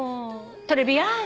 トレビアン。